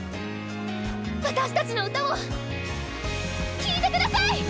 私たちの歌を聴いて下さい！